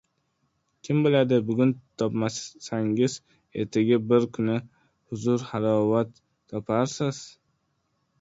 Kim biladi, bugun topmasangiz, erta bir kuni huzur-halovat toparsiz?